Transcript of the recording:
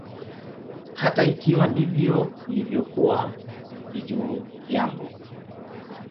Hata ikiwa ndivyo ilivyokuwa, ni juu yangu.